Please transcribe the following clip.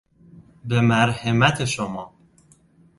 به مرحمت شما